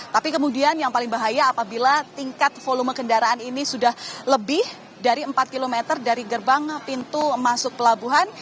tapi kemudian yang paling bahaya apabila tingkat volume kendaraan ini sudah lebih dari empat km dari gerbang pintu masuk pelabuhan